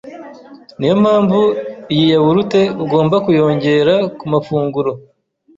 niyo mpamvu iyi yawurute ugomba kuyongera ku mafunguro